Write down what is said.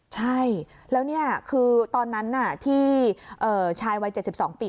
ใช่แล้วนี่คือตอนนั้นที่ชายวัย๗๒ปี